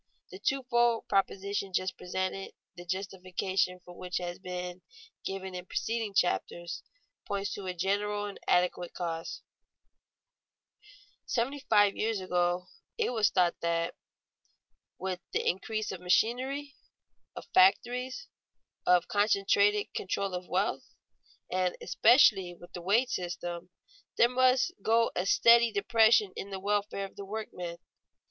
The two fold proposition just presented, the justification for which has been given in preceding chapters, points to a general and adequate cause. [Sidenote: The gloomy view as to the wage system was mistaken] Seventy five years ago it was thought that, with the increase of machinery, of factories, of the concentrated control of wealth, and especially with the wage system, there must go a steady depression in the welfare of the workingman.